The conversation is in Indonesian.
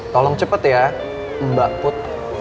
tolong cepat ya mbak put